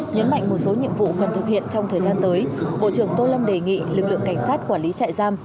nhấn mạnh một số nhiệm vụ cần thực hiện trong thời gian tới bộ trưởng tô lâm đề nghị lực lượng cảnh sát quản lý trại giam